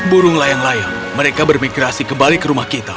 burung layang layang mereka bermigrasi kembali ke rumah kita